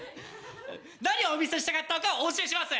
⁉何をお見せしたかったかお教えします！